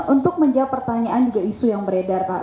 untuk menjawab pertanyaan juga isu yang beredar pak